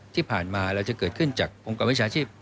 ที่ผ่านมาเราจะเกิดขึ้นจากองค์กรวิชาชีพ